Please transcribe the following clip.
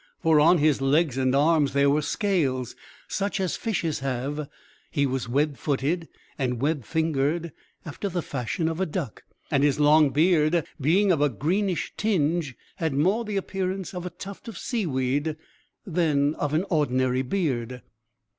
For on his legs and arms there were scales, such as fishes have; he was web footed and web fingered, after the fashion of a duck; and his long beard, being of a greenish tinge, had more the appearance of a tuft of seaweed than of an ordinary beard.